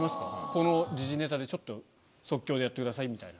この時事ネタでちょっと即興でやってくださいみたいな。